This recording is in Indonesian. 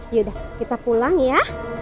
yaudah kita pulang ya